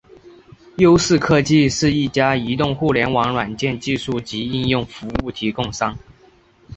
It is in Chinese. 优视科技是一家移动互联网软件技术及应用服务提供商。